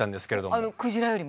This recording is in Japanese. あのクジラよりも？